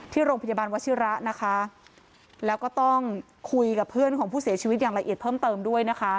ที่โรงพยาบาลวชิระนะคะแล้วก็ต้องคุยกับเพื่อนของผู้เสียชีวิตอย่างละเอียดเพิ่มเติมด้วยนะคะ